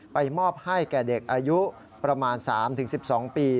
มอบให้แก่เด็กอายุประมาณ๓๑๒ปี